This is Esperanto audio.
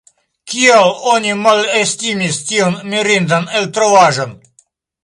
Kial oni malestimis tiun mirindan eltrovaĵon?